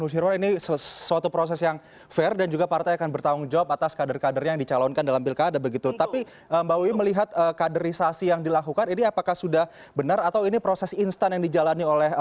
satu sekarang saya akan mempertanyakan atau bertanya tentang tanggung jawab partai